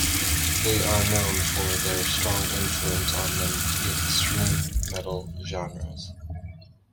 They are known for their strong influence on the extreme metal genres.